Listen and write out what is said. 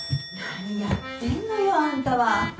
何やってんのよあんたは。